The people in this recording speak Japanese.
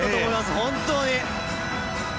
本当に。